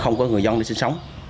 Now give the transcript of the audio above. không có người dân cư sinh sống